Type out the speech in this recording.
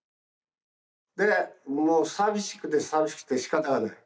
でもう寂しくて寂しくてしかたがない。